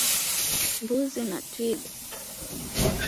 Mbuzi na twiga